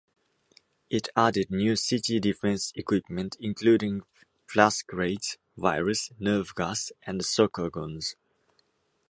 It added new Citi-Defence equipment including plascrete virus, nerve gas, and sucker guns.